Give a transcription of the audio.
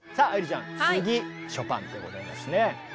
ちゃん次ショパンでございますね。